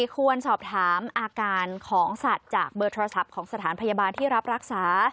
ควรสอบถามอาการของสัตว์จากเบอร์โทรศัพท์ของสถานพยาบาลที่รับรักษา